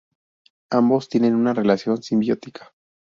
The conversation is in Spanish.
Ambos tienen una relación simbiótica.